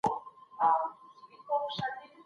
په ټولنه کي د نورو نظر ته درناوی وکړئ.